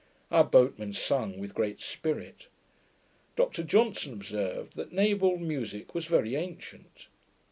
Our boatmen sung with great spirit. Dr Johnson observed, that naval musick was very ancient.